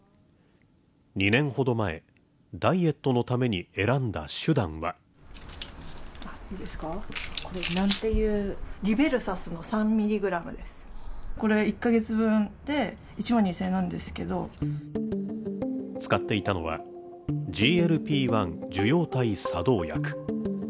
２年ほど前ダイエットのために選んだ手段は使っていたのはＧＬＰ−１受容体作動薬